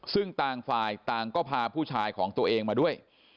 ซึ่งต่างฝ่ายต่างก็พาผู้ชายของตัวเองมาด้วย